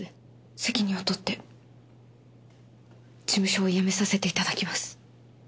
責任を取って事務所を辞めさせていただきます。